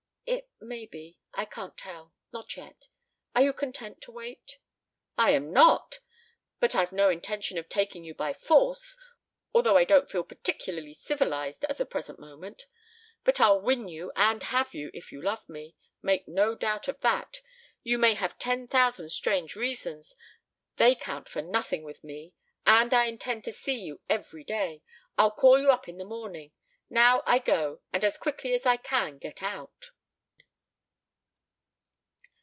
"It may be. I can't tell. Not yet. Are you content to wait?" "I am not! But I've no intention of taking you by force, although I don't feel particularly civilized at the present moment. But I'll win you and have you if you love me. Make no doubt of that. You may have ten thousand strange reasons they count for nothing with me. And I intend to see you every day. I'll call you up in the morning. Now I go, and as quickly as I can get out."